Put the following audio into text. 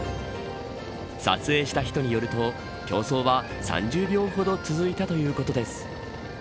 撮影した人によると競争は３０秒ほど続いたということです。